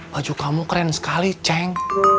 baju kamu keren sekali ceng